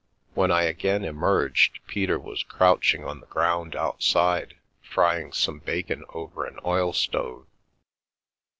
When I again emerged Peter was crouching on the ground outside, frying some bacon over an oil stove.